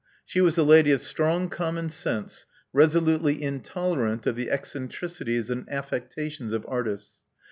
She was a lady of strong conaimon sense, resolutely intolerant of the eccentricities and affecta tions of artists.